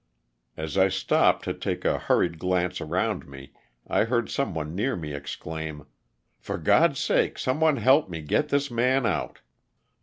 As I stopped to take a hurried glance around me I heard some one near me exclaim, *'For God's sake some one help me get this man out."